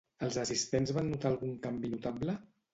Els assistents van notar algun canvi notable?